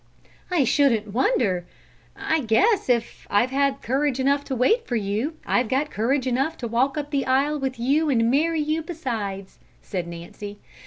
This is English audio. "I shouldn't wonder! I guess if I've had courage enough to wait for you, I've got courage enough to walk up the aisle with you and marry you besides!" said Nancy.